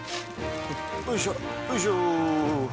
よいしょよいしょ。